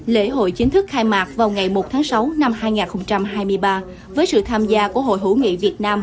lễ hội chính thức khai mạc vào ngày một tháng sáu năm hai nghìn hai mươi ba với sự tham gia của hội hữu nghị việt nam